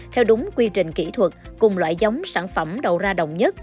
theo đúng quy trình kỹ thuật cùng loại giống sản phẩm đầu ra đồng nhất